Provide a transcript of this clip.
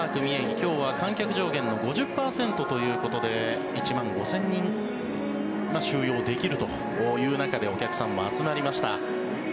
今日は観客上限の５０％ということで１万５０００人収容できるという中でお客さんも集まりました。